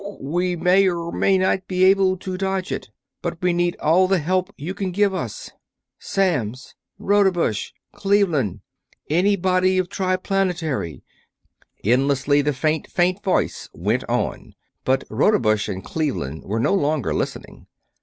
We may or may not be able to dodge it, but we need all the help you can give us. Samms Rodebush Cleveland anybody of Triplanetary...." Endlessly the faint, faint voice went on, but Rodebush and Cleveland were no longer listening.